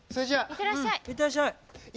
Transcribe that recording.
行ってらっしゃい。